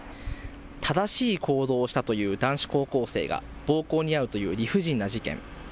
正しい行動をしたという男子高校生が暴行に遭うという理不尽な事件。